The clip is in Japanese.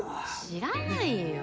知らないよ。